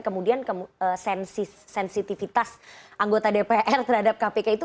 kemudian sensitivitas anggota dpr terhadap kpk itu